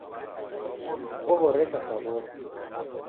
O'horesha shwa wori